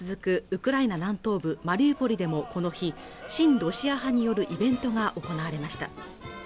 ウクライナ南東部マリウポリでもこの日親ロシア派によるイベントが行われました